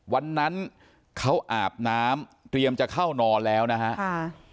วันนั้นเขาอาบน้ำเตรียมจะเข้านอนแล้วนะฮะ